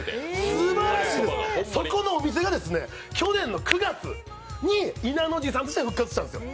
すばらしいです、そこのお店が去年の９月にいなの路さんとして復活したんですよ。